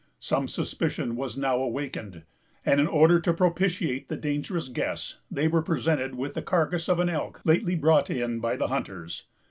Some suspicion was now awakened; and, in order to propitiate the dangerous guests, they were presented with the carcass of an elk lately brought in by the hunters.